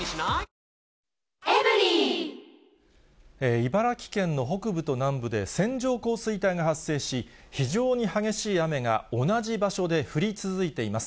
茨城県の北部と南部で、線状降水帯が発生し、非常に激しい雨が同じ場所で降り続いています。